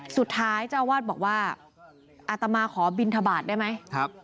สุดท้ายเจ้าอาวาสบอกว่าอาตมาขอบิณฑบาทได้ไหม